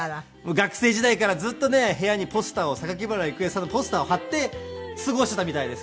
学生時代からずっとね部屋にポスターを榊原郁恵さんのポスターを貼って過ごしていたみたいですから。